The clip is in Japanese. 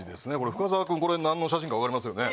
深澤君これ何の写真か分かりますよね？